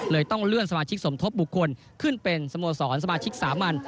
ต้องเลื่อนสมาชิกสมทบบุคคลขึ้นเป็นสโมสรสมาชิกสามัญ